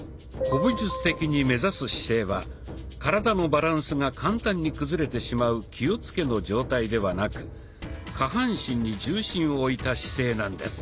武術的に目指す姿勢は体のバランスが簡単に崩れてしまう「気をつけ」の状態ではなく下半身に重心を置いた姿勢なんです。